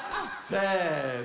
せの！